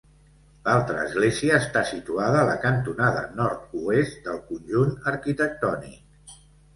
L'altra església està situada a la cantonada nord-oest del conjunt arquitectònic.